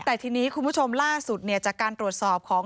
แต่ทีนี้คุณผู้ชมล่าสุดจากการตรวจสอบของ